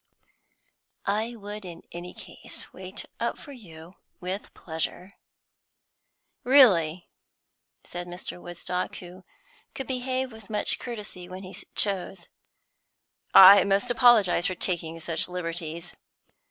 "I would in any case wait up for you, with pleasure?" "Really," said Mr. Woodstock, who could behave with much courtesy when he chose, "I must apologise for taking such liberties.